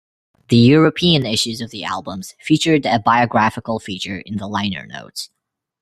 The European issues of the albums featured a biographical feature in the liner notes.